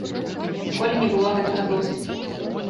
Ніколі не было гэтага досыць.